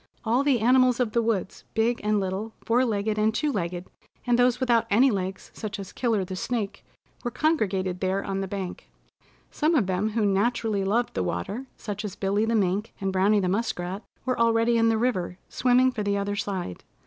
All the animals of the woods, big and little, four legged and two legged, and those without any legs, such as Killer the Snake, were congregated there on the bank. Some of them who naturally loved the water, such as Billy the Mink and Browny the Muskrat, were already in the river, swimming for the other side.